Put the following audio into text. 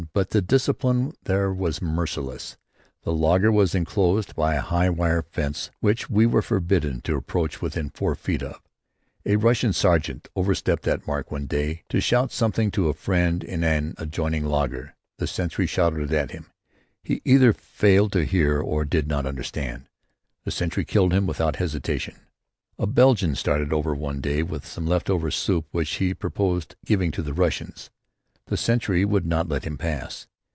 But the discipline there was merciless. The laager was inclosed by a high wire fence which we were forbidden to approach within four feet of. A Russian sergeant overstepped that mark one day to shout something to a friend in an adjoining laager. The sentry shouted at him. He either failed to hear or did not understand. The sentry killed him without hesitation. A Belgian started over one day with some leftover soup which he purposed giving to the Russians. The sentry would not let him pass.